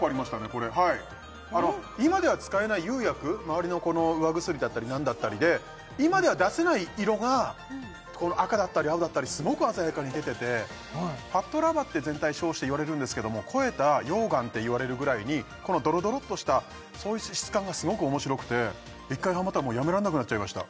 これはい今では使えない釉薬まわりのこの釉薬だったりなんだったりで今では出せない色がこの赤だったり青だったりすごく鮮やかに出ててファットラヴァって全体称して言われるんですけども肥えた溶岩って言われるぐらいにこのドロドロっとした質感がすごく面白くて一回はまったらもうやめられなくなっちゃいました